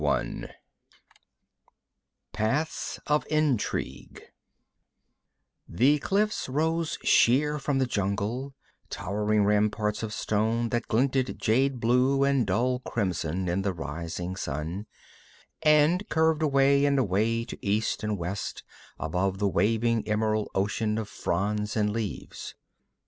] 1 Paths of Intrigue The cliffs rose sheer from the jungle, towering ramparts of stone that glinted jade blue and dull crimson in the rising sun, and curved away and away to east and west above the waving emerald ocean of fronds and leaves.